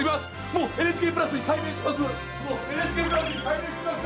もうＮＨＫプラスに改名しました！